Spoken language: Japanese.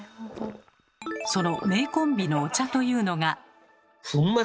その名コンビのお茶というのが。